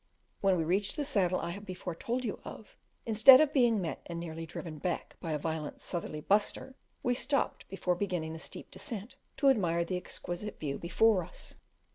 When we reached the saddle I have before told you of, instead of being met and nearly driven back by a violent "sutherly buster," we stopped before beginning the steep descent to admire the exquisite view before us.